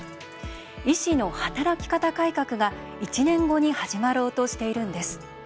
医師の働き方改革が１年後に始まろうとしているんです。